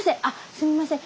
すみません！